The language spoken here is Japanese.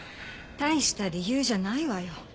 大した理由じゃないわよ。